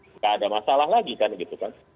nggak ada masalah lagi kan gitu kan